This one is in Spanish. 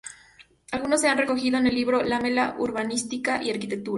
Algunos se han recogido en el libro "Lamela: Urbanística y Arquitectura.